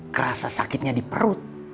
kerasa sakitnya di perut